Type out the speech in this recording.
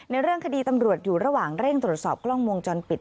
เรื่องคดีตำรวจอยู่ระหว่างเร่งตรวจสอบกล้องวงจรปิด